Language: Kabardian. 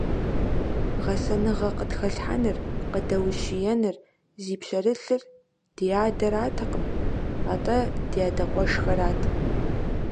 Гъэсэныгъэ къытхэлъхьэныр, къыдэущиеныр зи пщэрылъыр ди адэратэкъым, атӀэ ди адэ къуэшхэрат.